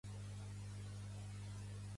Quines qüestions li ha fet saber Torra?